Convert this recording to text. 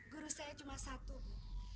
guru saya cuma satu bu